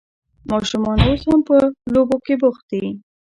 ماشومان اوس هم په لوبو کې بوخت دي.